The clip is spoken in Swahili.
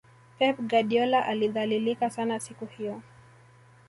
pep guardiola alidhalilika sana siku hiyo